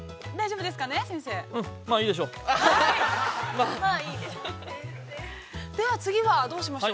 まあ、いいでしょう。